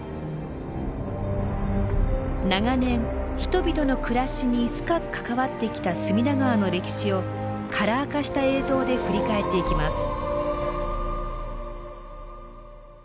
長年人々の暮らしに深く関わってきた隅田川の歴史をカラー化した映像で振り返っていきます。